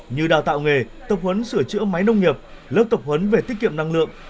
như đào tạo nghề tập huấn sửa chữa máy nông nghiệp lớp tập huấn về tiết kiệm năng lượng